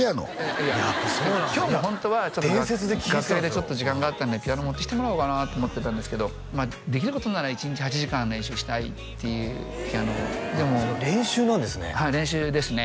今日もホントは楽屋でちょっと時間があったんでピアノ持ってきてもらおうかなって思ってたんですけどまあできることなら１日８時間練習したいっていうピアノを練習なんですねはい練習ですね